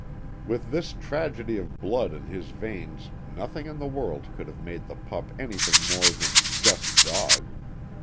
With this tragedy of blood in his veins nothing in the world could have made the pup anything more than "just dog."